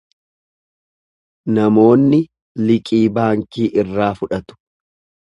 Namoonni liqii baankii irraa fudhatu.